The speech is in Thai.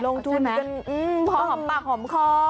ลงทุนจนพอหอมปากหอมคอ